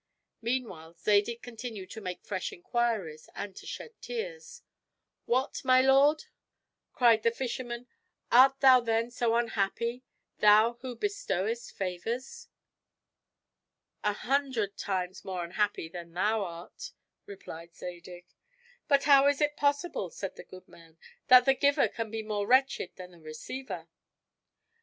Meanwhile, Zadig continued to make fresh inquiries, and to shed tears. "What, my lord!" cried the fisherman, "art thou then so unhappy, thou who bestowest favors?" "An hundred times more unhappy than thou art," replied Zadig. "But how is it possible," said the good man, "that the giver can be more wretched than the receiver?"